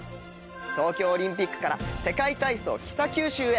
東京オリンピックから世界体操北九州へ。